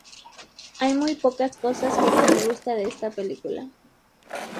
Hay muy pocas cosas que no me gustan de esta película.